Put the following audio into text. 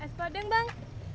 ais padeng bang